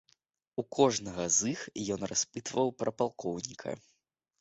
У кожнага з іх ён распытваў пра палкоўніка.